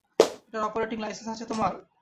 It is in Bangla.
এটার অপারেটিং লাইসেন্স আছে তোমার?